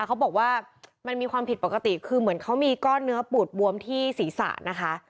เขาบอกว่ามันมีความผิดปกติคือเหมือนเขามีก้อนเนื้อปูดบวมที่ศีรษะนะคะ